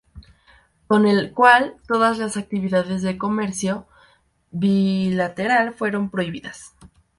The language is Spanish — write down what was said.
Con el cual todas las actividades de comercio bilateral fueron prohibidas.